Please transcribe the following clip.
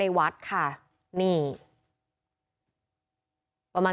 เมื่อวานแบงค์อยู่ไหนเมื่อวาน